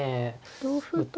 同歩と。